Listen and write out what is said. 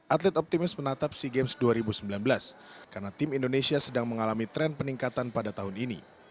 atlet optimis menatap sea games dua ribu sembilan belas karena tim indonesia sedang mengalami tren peningkatan pada tahun ini